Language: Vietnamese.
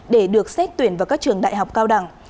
để được xét tuyển vào các trường đại học cao đẳng